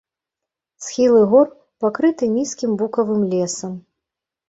Схілы гор пакрыты нізкім букавым лесам.